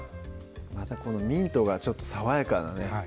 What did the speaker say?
またこのミントが爽やかなね